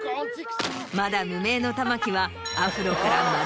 まだ無名の玉木は。